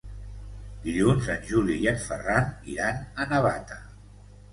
Dilluns en Juli i en Ferran iran a Navata.